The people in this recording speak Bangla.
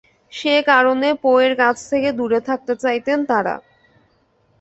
সে কারণে পো-এর কাছ থেকে দূরে থাকতে চাইতেন তারা।